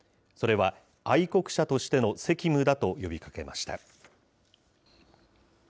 それは愛国者としての責務だと呼びかけました。